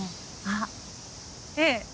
あっええ。